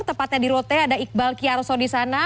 tepatnya di rote ada iqbal kiarso di sana